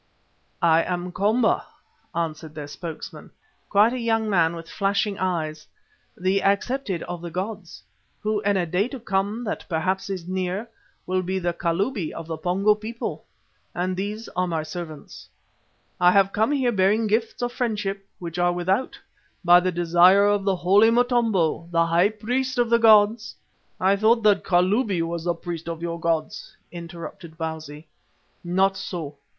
"I am Komba," answered their spokesman, quite a young man with flashing eyes, "the Accepted of the Gods, who, in a day to come that perhaps is near, will be the Kalubi of the Pongo people, and these are my servants. I have come here bearing gifts of friendship which are without, by the desire of the holy Motombo, the High Priest of the gods " "I thought that the Kalubi was the priest of your gods," interrupted Bausi. "Not so.